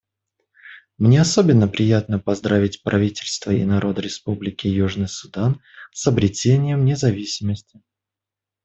Мне особенно приятно поздравить правительство и народ Республики Южный Судан с обретением независимости.